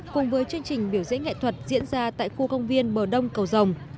cùng với chương trình biểu diễn nghệ thuật diễn ra tại khu công viên bờ đông cầu rồng